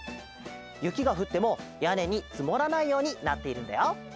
ゆきがふってもやねにつもらないようになっているんだよ。